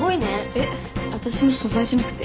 えっ私の素材じゃなくて？